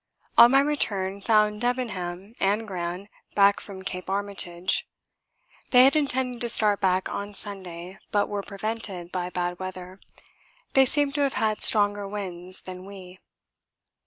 On my return found Debenham and Gran back from Cape Armitage. They had intended to start back on Sunday, but were prevented by bad weather; they seemed to have had stronger winds than we.